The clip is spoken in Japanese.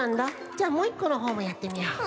じゃあもう１このほうもやってみよう。